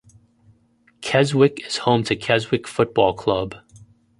Keswick is home to Keswick Football Club.